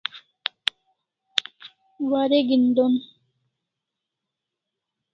Wareg'in don